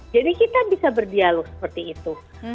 jadi kita bisa berdialog seperti itu